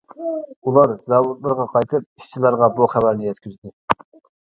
ئۇلار زاۋۇتلىرىغا قايتىپ ئىشچىلارغا بۇ خەۋەرنى يەتكۈزدى.